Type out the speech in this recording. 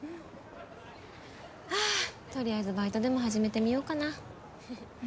はぁとりあえずバイトでも始めてみようかなふふっ。